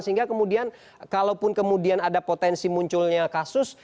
sehingga kemudian kalaupun kemudian ada potensi munculnya kasus